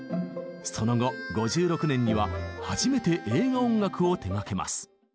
その後５６年には初めて映画音楽を手がけます。